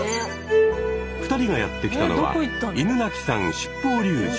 ２人がやって来たのは犬鳴山七宝瀧寺。